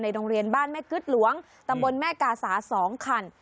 โรงเรียนบ้านแม่กึ๊ดหลวงตำบลแม่กาสา๒คัน